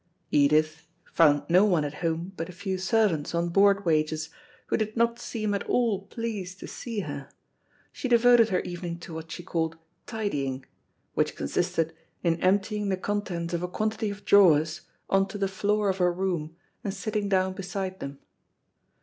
Edith, found no one at home but a few servants on board wages, who did not seem at all pleased to see her. She devoted her evening to what she called tidying, which consisted in emptying the contents of a quantity of drawers on to the floor of her room, and sitting down beside them.